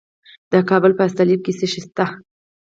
د کابل په استالف کې څه شی شته؟